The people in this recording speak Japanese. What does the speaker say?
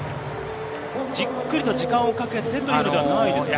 じっくりと時間をかけてということではないですね。